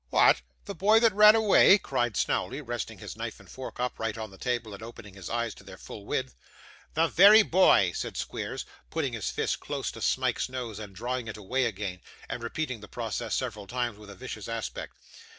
'What! The boy that run away!' cried Snawley, resting his knife and fork upright on the table, and opening his eyes to their full width. 'The very boy', said Squeers, putting his fist close to Smike's nose, and drawing it away again, and repeating the process several times, with a vicious aspect.